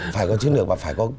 phải có chiến lược và phải có